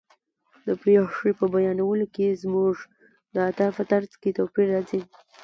د پېښې په بیانولو کې زموږ د ادا په طرز کې توپیر راځي.